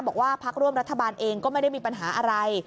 บอกว่าพักร่วมรัฐบาลเองก็ไม่ได้มีปัญหาอะไร